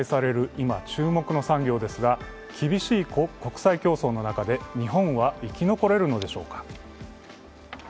今注目の産業ですが、厳しい国際競争の中で日本は生き残れるのでしょうか。